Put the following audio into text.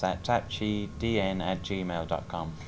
at tạp chí dnatgmail com